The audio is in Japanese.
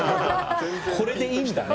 「これでいいんだね？」